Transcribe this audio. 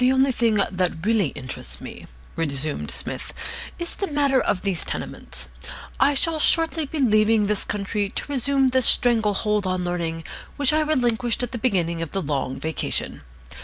"The only thing that really interests me," resumed Psmith, "is the matter of these tenements. I shall shortly be leaving this country to resume the strangle hold on Learning which I relinquished at the beginning of the Long Vacation.